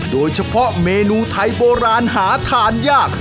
โดยเฉพาะเมนูไทยโบราณหาทานยาก